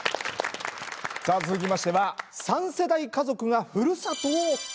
さあ続きましては３世代家族がふるさとをたたえます。